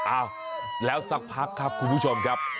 อ้าวแล้วสักพักครับคุณผู้ชมครับ